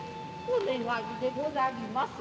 お願いでござります。